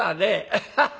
アハハハ！